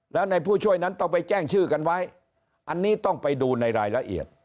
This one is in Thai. แล้วในผู้ช่วยนั้นต้องไปแจ้งชื่อกันไว้อันนี้ต้องไปดูในรายละเอียด